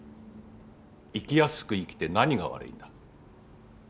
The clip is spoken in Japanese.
生きやすく生きて何が悪いんだ。